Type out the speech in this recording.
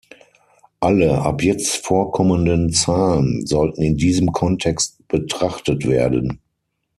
Alle ab jetzt vorkommenden Zahlen sollten in diesem Kontext betrachtet werden.